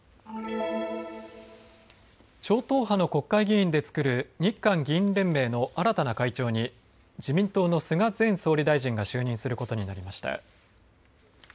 超党派の国会議員で作る日韓議員連盟の新たな会長に自民党の菅前総理大臣が就任することになりました。